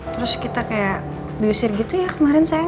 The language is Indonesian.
terus kita kayak diusir gitu ya kemarin saya